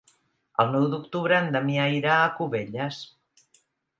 El nou d'octubre en Damià irà a Cubelles.